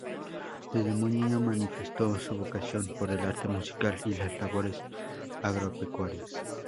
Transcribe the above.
Desde muy niño manifestó su vocación por el arte musical y las labores agropecuarias.